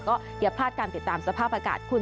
ก็อย่าพลาดการติดตามสภาพอากาศคุณ